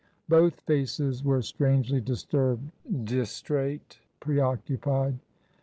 Both faces were strangely disturbed, distrait, preoccupied.